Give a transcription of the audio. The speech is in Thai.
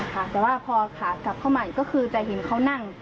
แต่ว่าพอขากลับเข้ามาอีกก็คือจะเห็นเขานั่ง